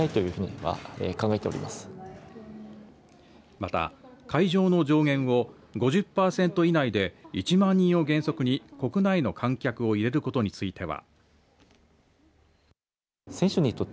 また、会場の上限を５０パーセント以内で１万人を原則に国内の観客を入れることについては。